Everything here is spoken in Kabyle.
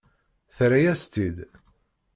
Terra-yas-tt-id.